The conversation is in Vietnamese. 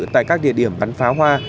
tại các địa điểm bắn pháo hoa